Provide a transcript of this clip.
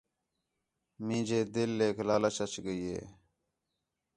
مینجے دِلیک لالچ اَچ ڳئی ہِے